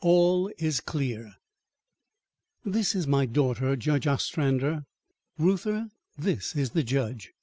XIV ALL IS CLEAR "This is my daughter, Judge Ostrander, Reuther, this is the judge."